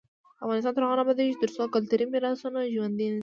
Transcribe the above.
افغانستان تر هغو نه ابادیږي، ترڅو کلتوري میراثونه ژوندي نشي.